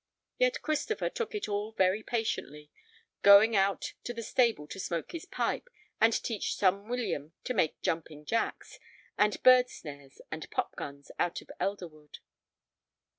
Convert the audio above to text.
Yet Christopher took it all very patiently, going out to the stable to smoke his pipe and teach son William to make "jumping jacks" and bird snares and pop guns out of elder wood.